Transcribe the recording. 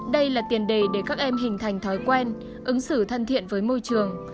đây là tiền đề để các em hình thành thói quen ứng xử thân thiện với môi trường